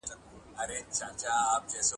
چي مي څو ځله د وران او د زاړه سړک پر غاړه ,